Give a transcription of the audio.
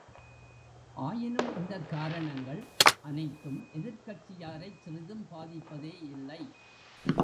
ஆயினும் இந்தக் காரணங்கள் அனைத்தும் எதிர்க் கட்சியாரைச் சிறிதும் பாதிப்பதே யில்லை.